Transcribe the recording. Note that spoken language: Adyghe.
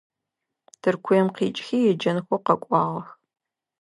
Тыркуем къикIыхи еджэнхэу къэкIуагъэх.